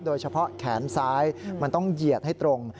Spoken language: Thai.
โดยเฉพาะแขนซ้ายมันต้องเหยียดให้ตรง